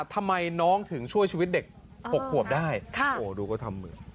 ทำไมน้องถึงช่วยชีวิตเด็ก๖ขวบได้ดูก็ทำเหมือน